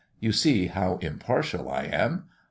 You see how impartial I am.